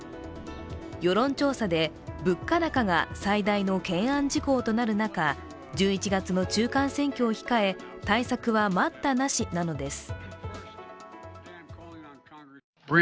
世論調査で物価高が最大の懸案事項となる中、１１月の中間選挙を控え、対策は待ったなしなのです。